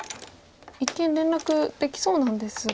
一見連絡できそうなんですが。